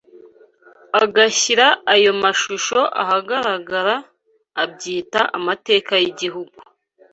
agashyira ayo mashusho ahagaragara., abyita amateka y’igihugu